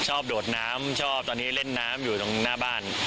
โดดน้ำชอบตอนนี้เล่นน้ำอยู่ตรงหน้าบ้าน